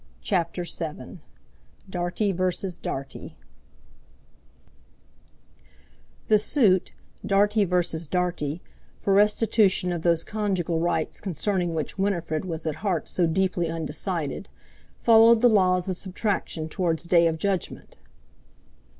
CHAPTER VII DARTIE VERSUS DARTIE The suit—Dartie versus Dartie—for restitution of those conjugal rights concerning which Winifred was at heart so deeply undecided, followed the laws of subtraction towards day of judgment.